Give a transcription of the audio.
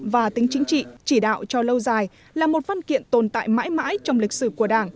và tính chính trị chỉ đạo cho lâu dài là một văn kiện tồn tại mãi mãi trong lịch sử của đảng